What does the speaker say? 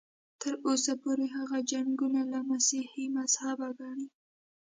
تر اوسه پورې هغه جنګونه له مسیحي مذهبه ګڼي.